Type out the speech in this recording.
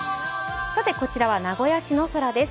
こちらは名古屋市の空です。